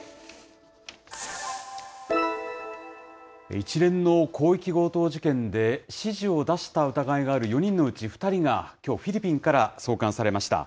一連の広域強盗事件で、指示を出した疑いがある４人のうち、２人がきょう、フィリピンから送還されました。